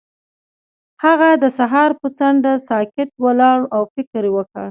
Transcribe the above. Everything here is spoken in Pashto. هغه د سهار پر څنډه ساکت ولاړ او فکر وکړ.